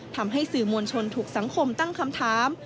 ทำให้สื่อมวลชนถูกสังคมตั้งคำถาม